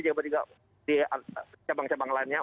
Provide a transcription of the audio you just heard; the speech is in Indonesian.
juga di cabang cabang lainnya